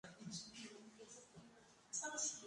Es un afluente del río Sucio.